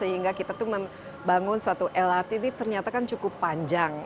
sehingga kita tuh membangun suatu lrt ini ternyata kan cukup panjang